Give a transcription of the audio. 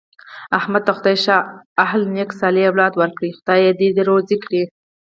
احمد ته خدای ښه حل نېک صالح اولاد ورکړی، خدای یې دې روزي کړي.